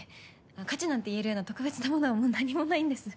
価値なんていえるような特別なものはもう何もないんです。